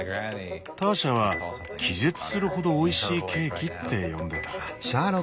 ターシャは「気絶するほどおいしいケーキ」って呼んでた。